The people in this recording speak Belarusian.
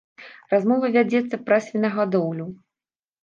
Размова вядзецца пра свінагадоўлю!